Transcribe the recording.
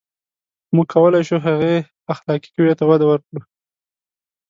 • موږ کولای شو، هغې اخلاقي قوې ته وده ورکړو.